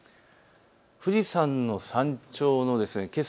富士山の山頂のけさ